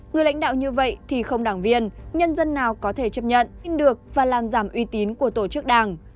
người lãnh đạo như vậy thì không đảng viên nhân dân nào có thể chấp nhận được và làm giảm uy tín của tổ chức đảng